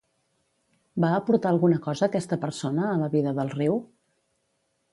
Va aportar alguna cosa aquesta persona a la vida del riu?